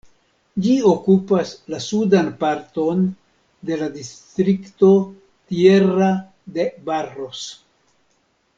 Ĝi okupas la sudan parton de la distrikto Tierra de Barros.